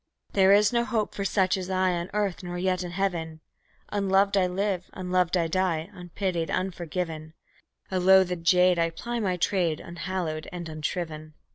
There is no hope for such as I on earth, nor yet in Heaven; Unloved I live, unloved I die, unpitied, unforgiven; A loathed jade, I ply my trade, unhallowed and unshriven.